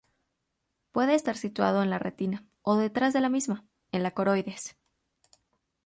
Puede estar situado en la retina, o detrás de la misma, en la coroides.